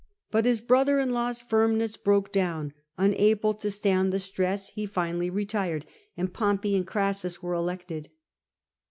But his brother in law's firmness broke down ; unable to stand the stress, he finally retired, and Pompey and Orassus were elected.